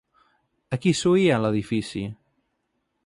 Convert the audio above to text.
A qui s'oïa a l'edifici?